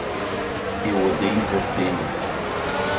Eu odeio ver tênis.